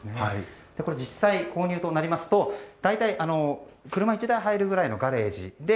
実際、購入となりますと車１台入るくらいのガレージで